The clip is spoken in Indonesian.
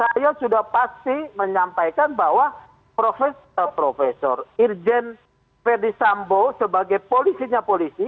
saya sudah pasti menyampaikan bahwa profesor irjen ferdisambo sebagai polisinya polisi